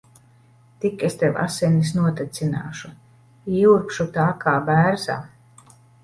Tik es tev asinis notecināšu. Ieurbšu tā kā bērzā.